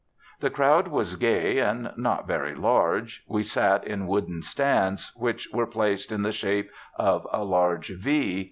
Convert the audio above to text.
The crowd was gay, and not very large. We sat in wooden stands, which were placed in the shape of a large V.